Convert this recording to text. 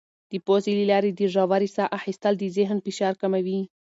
د پوزې له لارې د ژورې ساه اخیستل د ذهن فشار کموي.